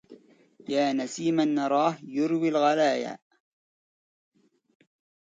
يا نسيما نراه يروي الغليلا